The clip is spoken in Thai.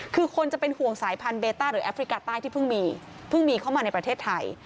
คือคนจะเป็นห่วงสายพันธุเบต้าหรือแอฟริกาใต้ที่เพิ่งมีเพิ่งมีเข้ามาในประเทศไทย